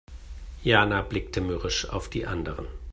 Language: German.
Jana blickte mürrisch auf die anderen.